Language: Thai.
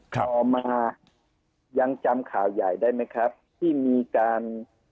ต่อมายังจำข่าวใหญ่ได้ไหมครับที่มีการ